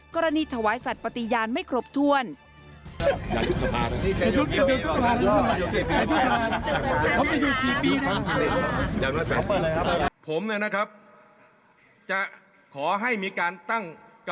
กรณีถวายสัตว์ปฏิญาณไม่ครบถ้วน